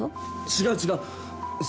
違う、違う！